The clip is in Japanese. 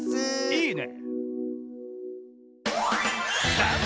いいね！